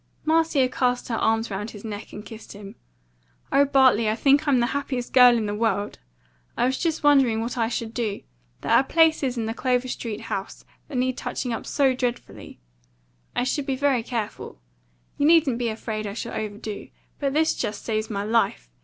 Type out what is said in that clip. Marcia cast her arms round his neck and kissed him. "O Bartley, I think I'm the happiest girl in the world! I was just wondering what I should do. There are places in that Clover Street house that need touching up so dreadfully. I shall be very careful. You needn't be afraid I shall overdo. But, this just saves my life.